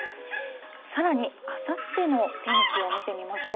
さらに、あさっての天気を見てみましょう。